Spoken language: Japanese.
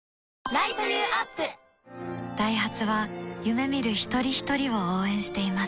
ダイハツは夢見る一人ひとりを応援しています